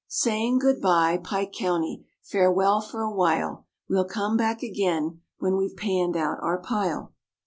Saying, good bye, Pike County, Farewell for a while; We'll come back again When we've panned out our pile.